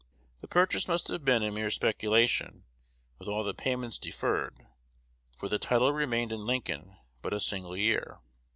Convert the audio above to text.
The purchase must have been a mere speculation, with all the payments deferred, for the title remained in Lincoln but a single year.